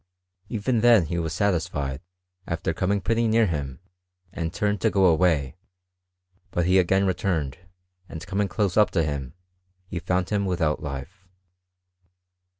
Even then he was satisfied, after coming pretty near him, and turned to go away ; but he agani returned, and coming close up to him, he found him without life.